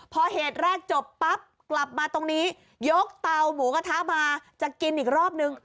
พอเหตุแรกจบปั๊บกลับมาตรงนี้ยกเตาหมูกระทะมาจะกินอีกรอบนึง